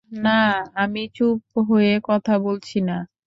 না, আমি নিচু হয়ে কথা বলছি না।